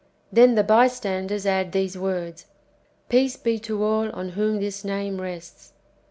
Then the bystanders add these w^ords, " Peace be to all on whom this name rests."